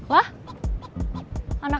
nah kita mulai